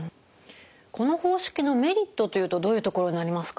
この方式のメリットというとどういうところになりますか？